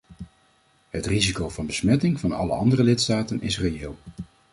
Het risico van besmetting van alle andere lidstaten is reëel.